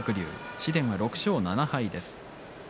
紫雷は６勝７敗です。